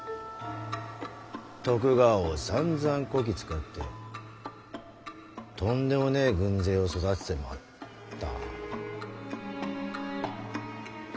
徳川をさんざんこき使ってとんでもねえ軍勢を育ててまった。